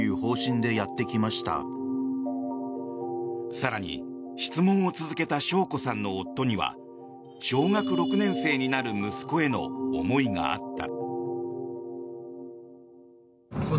更に、質問を続けた晶子さんの夫には小学６年生になる息子への思いがあった。